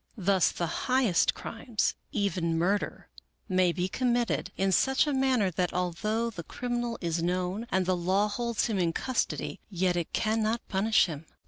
Thus the highest crimes, even murder, may be committed 65 American Mystery Stories in such manner that although the criminal is known and the law holds him in custody, yet it cannot punish him.